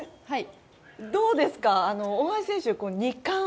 どうですか大橋選手、２冠。